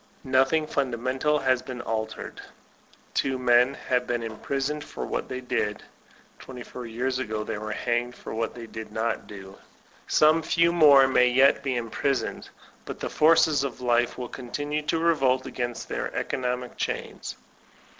Nothing fundamental has been altered. Two men have been imprisoned for what they did (twenty four years ago they were hanged for what they did not do) ; some few more may yet be imprisoned. But the forces of life will continue to revolt against their economic chains.